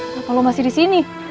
kenapa lu masih disini